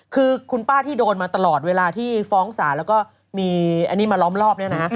คือคุณป้าที่โดนมาตลอดเวลาที่ฟ้องศาลแล้วก็มีอันนี้มาล้อมรอบเนี่ยนะฮะ